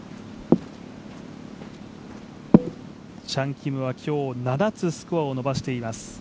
チャン・キムは今日、７つスコアを伸びしています。